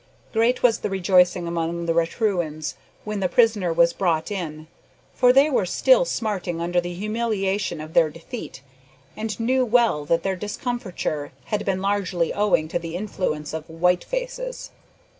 Great was the rejoicing among the Raturans when the prisoner was brought in, for they were still smarting under the humiliation of their defeat, and knew well that their discomfiture had been largely owing to the influence of "white faces."